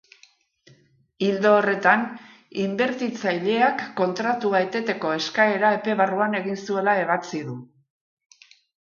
Ildo horretan, inbertitzaileak kontratua eteteko eskaera epe barruan egin zuela ebatzi du.